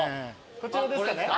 こちらですかね？